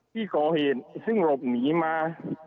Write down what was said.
ที่ก่อเหตุซึ่งหลบหนีมา